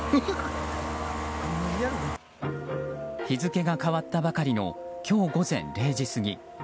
日付が変わったばかりの今日午前０時過ぎ。